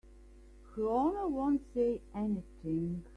Her Honor won't say anything.